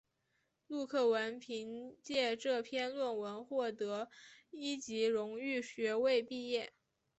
陆克文凭藉这篇论文获得一级荣誉学位毕业。